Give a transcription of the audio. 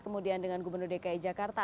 kemudian dengan gubernur dki jakarta